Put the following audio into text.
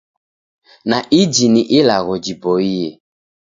Na iji ni ilagho jiboie